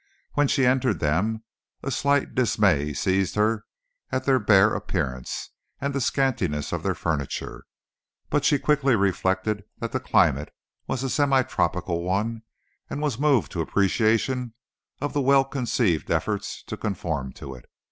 When she entered them a slight dismay seized her at their bare appearance and the scantiness of their furniture; but she quickly reflected that the climate was a semi tropical one, and was moved to appreciation of the well conceived efforts to conform to it.